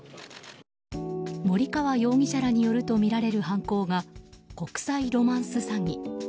森川容疑者らによるとみられる犯行が国際ロマンス詐欺。